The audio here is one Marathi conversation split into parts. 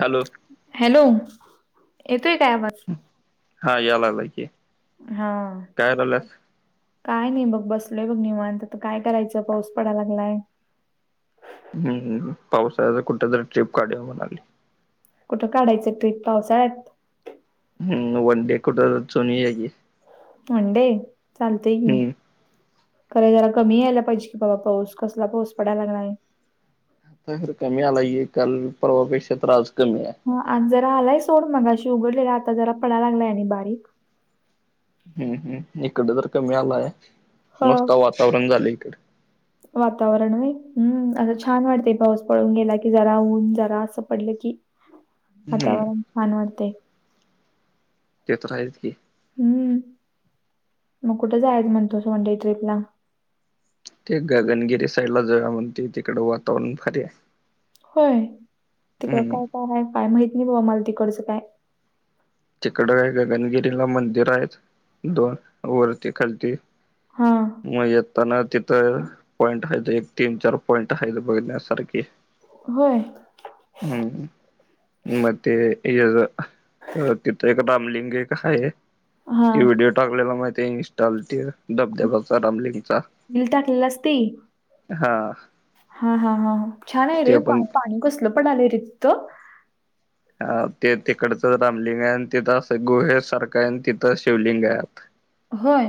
हॅलो. हॅलो येतोय काय आवाज? हा या लागला की. हा. काय करायल्यास काय नाही बघ बसलोय बघ निवन तर काय करायचं पाऊस पडाला लागलाय. हम्म पावसाच कुठ तरी ट्रीप काढवा लागेल. कुठं काढायचं ट्रीप पावसाळ्यात हम्म वनडे कठ चालु या की. वनडे चालते की. हम्म खरं जरा कमी यायला पाहिजे की पाऊस कसला पाऊस पडाय लागलाय. कमी आलाये काल पर्वापेक्षा तर आज कमी आहे. ह जरा आलाय सोड मगाशी उघडलेला आता जरा पडाया लागलाय आणि बारीक हम्म हम्म इकडं तर कमी आलाय हा. मस्त वातावरण झालं इकडे. वातावरण आहे हम्म असं छान वाटतय पाऊस पळून गेला की जरा ऊन जरा असं पडलं की हम्म वातावरण छान वाटते. ते तर आहेच की. हम्म मग कुठे जायच म्हणतोसं वनडे ट्रीपला. ते गगनगिरी साईड ला जाऊ म्हणते तिकडं वातावरण भारी आहे. होय तिकड हम्म काय, काय आहे काय माहित नाही बा मला तिकडचं काय. तिकडं का गगनगिरीला मंदिर आहेत दोन वरती खालती. हा. मग येताना तिथं पॉइंट आहेत एक, तीन, चार पॉईंट आहेत बघण्यासारखे. होय. हम्म म ते याच. अ तिथं एक रामलिंग एक आहे. हा ते व्हिडिओ टाकलेला माहिती आहे इन्स्टॉल ते धबधबाचा रामलिंगचा मल टाकलेला असते हा हा हा हा छान आहे ते रे पण पाणी कसलं पण आलंय रत अ ते तिकडचं रामलिंग आहे आणि तिथं अस गुहे सारखं आहे तिथं शिवलिंग आहेत होय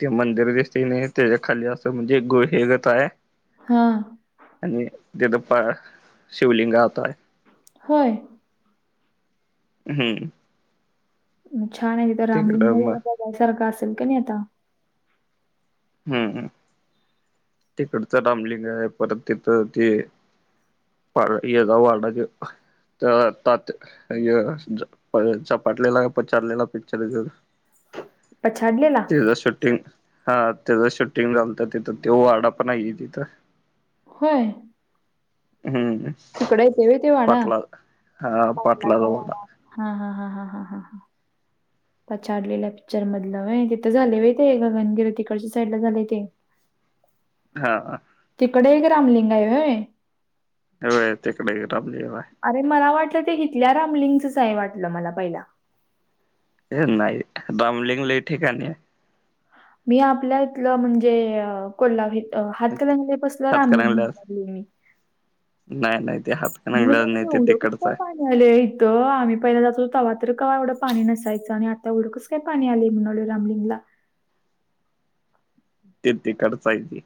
ते मंदिर दिसते नाही त्याच्या खाली असं म्हणजे गोहेगत आहे. हा. आणि तिथं प शिवलिंग आहेत. होय. हम्म छान आहे तिथं रामलिंग तिकडं मग जायसारखं असेल का नाही आता हम्म तिकडचं रामलिंग आहे परत तिथं त पा यदा वाढा तत अ चपाटलेला पचारलेला पिक्चरर पछाडलेला शूटिंग हा त्याच शूटिंग लत तिथं ते वाडा पण नाही तिथं हय हमं तिकड येते व ते वाडा हा पाटलाचा वाडा पाटलाच्याडा हा ह पछाडलेल्या पिक्चर मधलं तिथं झाले आहे ते गगनगिरी तिकडच्या साईड ला झालेय ते हा तिकडे एक रामलिंग आहे ह तिकडे राबलीय अरे मला वाटलं ते घेतल्या रामलिंगचच आहे वाटलं मला पहिला नाही दमलिंग ल ठिकाणी आहे मी आपल्या इथलं म्हणजे कोल्हा हातक बसला रामलीम म्ह हातकणंगल्यात लागली मी नाही नाही ते हात मी एवढं का पा झा इथं आम्ही पहिला जातो तवा तर का एवढं पाणी नसायचं आणि आतांस सपाणी आलेली म्हळू रामलीला ते ते खचाये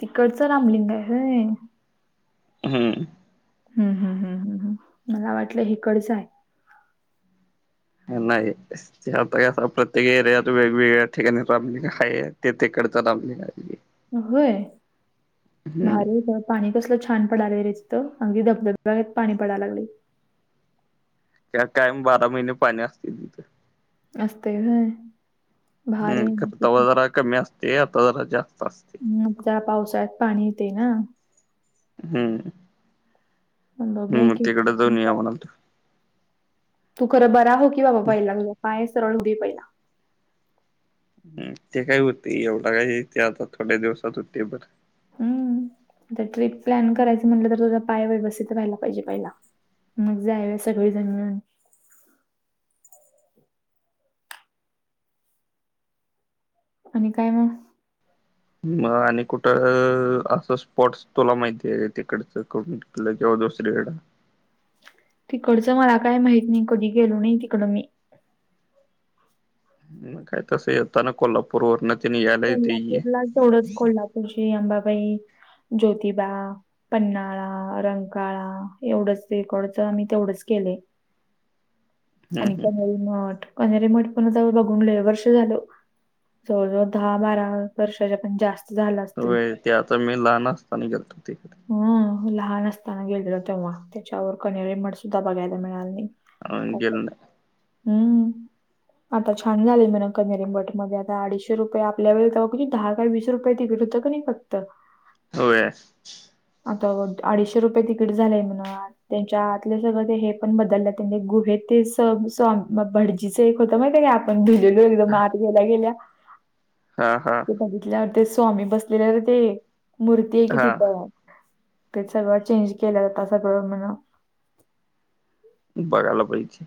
तिकडचं रामलिंग आहे हेय हम्म हम् हम् हम्म हम् हम मला वाटलं हेकडचं आहे ए ते आता क प्रत्येक एरियात वेगवेगळ्या ठिकाणी रामलिंगा आहे तेथेकडच रामलिंगा आहे होय हम्म भारी पाणी कसलं छान पडाला रेचतं अगदी धबधबबात पाणी पडायला लागले कायम बारा महिने पाणी असतील तिथे असस्त ह हम्म भारी खर तवा त जरा कमी असते आता ज जास्त असते त्या पावसाळ्यात पाणी येते ना हम्म मग बघूया हम् की तिकडे प्लॅन जाऊन या करा म्हणाल तू खरं बरा हो की बाबा व्हायला लागलं काय सरळ हो दे पहिला हम ते काय होते एवढा काही ते आता थोड्या दिवसात होते बर हम् तर ट्रिप प्लॅन करायची म्हटलं तर तुझा पाय व्यवस्थित व्हायला पाहिजे पहिला मग जायवे सगळेजण मिून आणि काय मग मग आणि कुठं असं स्पोर्ट्स तुला माहिती आहे तिकडचं क कि किंवा दुसरीकडे तिकडचं मला काय माहत नाही कधी गेलो नाही तिकड मी काय त स होताना कोल पूर्वर्णननी या कोल्हापूरला जवढंच कोल्हापूरची अंबाबाई ज्योतिबा पन्नाळा रंकाळा एवढंच रेकॉडच मी तेवढंच केले हम् आणि कनेरी मठ कनेरी मठ पण जव बघून वर्ष झाल जवळ जवळ दहा बारा वर्षाच्या पण जास्त झालं असतील. वेळ ते आता मी लहान असताना गेलतो तिकडे हम लहान असताना गेलेल तेव्हा त्याच्यावर कनेरी मठ सुद्धा बघायला मिळाले नाही अ गेल ना हम्म आता छान झालेय म ना कनरिम गटमध्ये आता अडीचशे रुपय आपल्याेघ क दहा का वीस रुपये तिक होत नाही फक्त होय आता अडीचशे रुपये तिकीट झालंय म्हणा त्यांच्या आतले सगळं हे पण बदल गुहे ते भडज च एक होत माहित का आपण भुलेलो एकदम म आत गेल्या गेल्या हा हा ते बघितल्यावर ते स्वामी बसलेल्यावर ते मूर्ती आहे कि हा तिथं ते सगळं चेंज केल्या जातात सगळं म्हण बघायला पाहिजे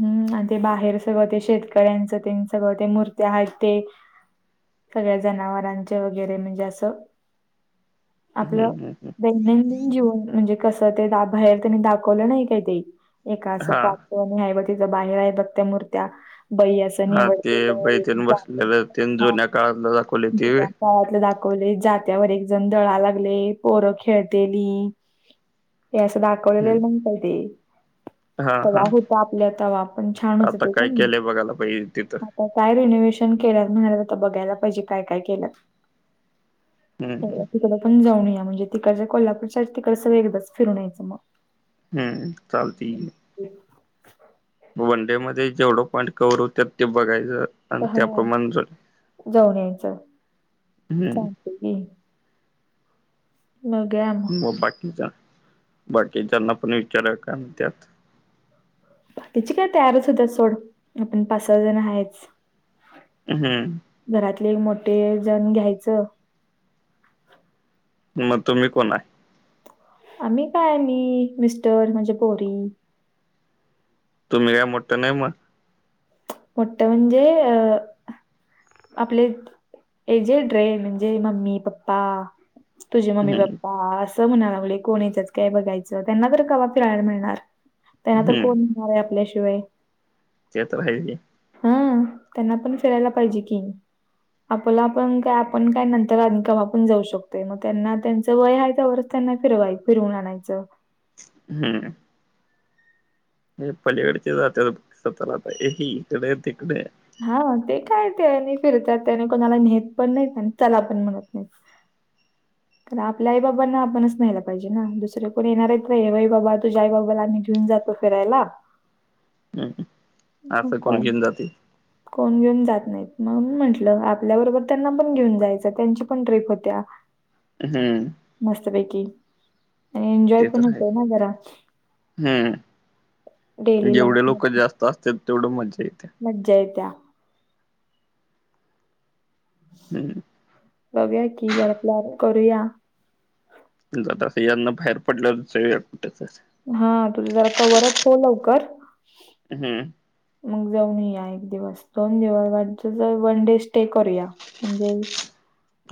हम्म आणि ते बाहेर सगळं ते शेतकऱ्यांच ते सगं ते मूर्त आहेत ते सगळ्या जनावरांचे वगैरे म्हणजे असं. हम्म आपलं हम्म हम्म दैनंदिन जीवन म्हणजे. कस ते बाहेर त्यांनी दाखवलं नाही का ते एकां हा पा ति बाहेर आहे बघ त्या मूर्त्या ब हा निवड ते के बैतेन जात बसलेलं तेन ह. जुन्या काळातलं दाखवले ते व्हय काळातलं दाखवले जात्यावर एक जण दळा लागले पोरं खेळतेली. हे असं दाखवलेले हम्म म्हणताय ते हा हा आपल्याता आपण छानच आता ते काय केलंय बघायला पाहिजे तिथं का काय रिनोव्हेशन केल्या म्हणाले आता बघायला पाहिजे काय काय केलंत हम्म हम्म तिकडं पण जाऊन या म्हणजे तिकडच्या कोल्हापूरच्या तिकड सगळ एकदाच फिरून यायचं मग हम्म चालत आहे वनडे मध्ये जेवढं पॉईंट कव्हवर होत ते बघायचं आणि हा त्याप्रमाणे जर जाऊन यायचं हम्म ांगती म ग्या मग बाकीचा बाकीच्याना पण विचारा का त्यात कीची काय तयारच होत्या सोड आपण पाच सहा जण आहेच हम्म घरातले मोठे जण घ्यायचं मग तुम्ही कोण आहे आम्ही काय मी मिस्टर म्हणजे पोरी तुम्ही काय मोठं नाही मग मोठ म्हणजे अ आपले एक जे ड्रे म्हणजे मम्मी पप्पा तुझे मम्मी हम्म पप्पा म्हणायला लाग कोणाचच काय बघायचं त्यांना तर कवा फिरायला मिळणार त्यांना तर हम्म कोण. होय आपल्याशिवाय ते तर हाय की हा त्यांना पण फिरायला पाहिजे की आपला आपण काय आपण काय नंतर आणि कवा पण जाऊ शकतोय मग त्यांना त्यांचं वय हाय तेवढंच त्यांना फिरवाय फिरवून आणायचं. हम्म हे पलीकडचे जात सत आ इकडे तिकडे हा ते काय ते आणि फिरतात त्याने कोणाला नेत पण नाहीत आणि चला पण म्हणत नाही. [inaudible] तर आपल्या आई बाबांना आपणच न्हायला पाहिजे ना दुसरे कोण येणारच नाही आई बाबा तुझ्या आ बाबाला आम्ही घेऊन जातो. फिरायला हम् मग असंल कोणाला काय घेऊन जातील. कोण घेऊन जात नाहीत मग मी म्हंटलं आपल्याबरोबर त्यांना पण घेऊन जायचं त्यांची पण ट्रीप होत्या. हम्म. मस्तपैकी एन्जॉय ते पण तर आहे होतोय ना जरा हम्म डेली लाईफ मधन तू असतील तेवढं मजा येते. मज्जा येत्या हम् बघूया की जरा प्लॅन करूया. जात अस यांना बाहेर पडल सगळं कुठ [unintelligible] हा तुझ जरा कवरअप कर लवकर हम्म. मग जाऊन येऊया एक दिवस दोन दिवस वाट ज वन डे स्टे करूया. [unintelligible]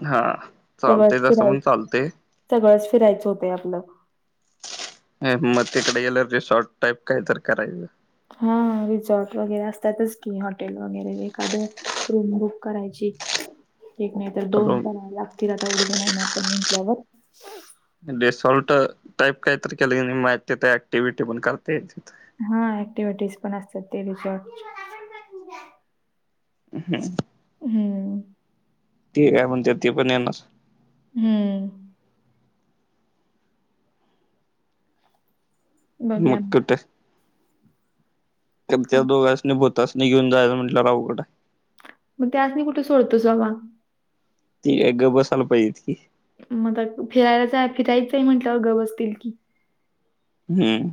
हा. सगळंच चालते जसं फिराय पण चालते सगळंच फिरायचं होतय आपलं. हूं म तिकड गेल्यावर रिसॉर्ट टाईप काय तर करायचं. हा रिसॉर्ट वगैरे असतातच की हॉटेल वगैरे एखादं रूम बुक करायची एक मी तर दोन रूम कुणाला लागतील आता एवढी जण आपण म्हटल्यावर रिसॉल्ट टाईप काय तर केलं की नाय म तिथं ऍक्टिव्हटी पण करता येईल तिथं हा ऍक्टिव्हटीज पण असतात ते रिसॉर्ट च्या [unintelligible] हम्म ते काय म्हणत्यात ते पण येणार हम्म मग कुठ तुमच्या दोघांनी भुतांसनी घेऊन जायचं म्हटल्यावर अवघड आहे. मग त्यास्नी कुठ सोडतोस बाबा ती एक गप बसायला पाहिजेत की म काय फिरायचय फिरायच म्हंटल्यावर गंप बसतील की हम्म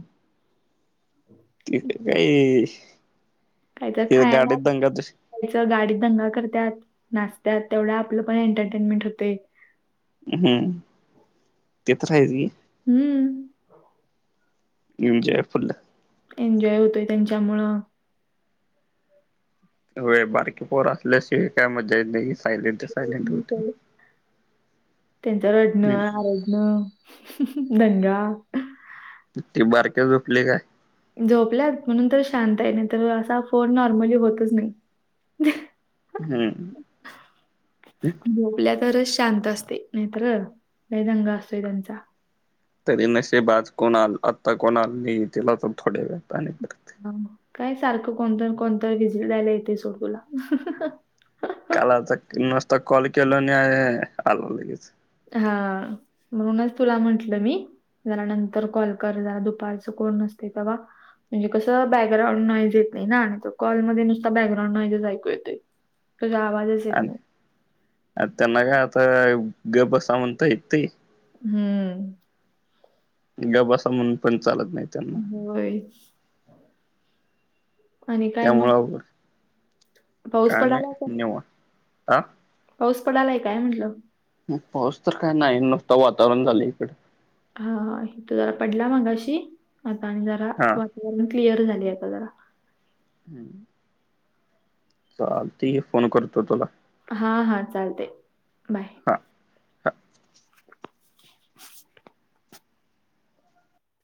तिथं काय ये ये काय तर खाया लागल. तशी त्याचा गाडीत दंगा करत्यात नाचतात तेवढं आपलं पण एंटरटेनमेंट होतय. हम्म, ते तर आहेच कि हम्म. एन्जॉय फुल एन्जॉय होतोय त्यांच्यामुळं व्हयं बारकी पोर असल्याशिवाय काय मज्जा येत नाही. सायलेंट सायलेंट होते. त्यांच रडणं हम्म आरडणं दंगा ती बारक्या झोपली काय झोपल्यात म्हणून तर शांतही नाही तर असा फोन नॉर्मली होतच नाही हम्म झोपल्या तरच शांत असतय. नायतर लय दंगा असतोय त्यांचा तरी नशिब आज कोण आ आता कोण आल नाहीये येतील आता थोडया वेळात आणि परत हं, काय सारखं कोणता न कोणता विजीट [unintelligible] येते सोड तुला काल आमचा नुसता कॉल केलो नी आलो लगेच हा म्हणूनच तुला म्हंटलं मी झाला नंतर कॉल कर जरा दुपारचं कोण नसते तवा म्हणजे कसं बॅकग्राउंड नोईज येत नाही ना आणि तो कॉलमध्ये नुसता बॅकग्राऊंड नोईजच ऐकू येतोय. ग गावाला आणि त्यांना का आता ग बसा म्हणता येता येतंय हम्म गप बसा म्हणून पण चालत नाहीत. होय आणि काय मग त्यामुळं अवघड पाऊस काय पडालाय का नाही निवांत. पाऊस पडालाय काय म्हटलं. पाऊस तर काय नाही नुसत वातावरण झालं इकडे हा आ हित जरा पडला मगाशी आता आणि जरा हा वातावरण क्लिअर झाली आहे. आता जरा हम्म चालतंय फोन करतो तुला हा-हा चालते. बाय हां-हां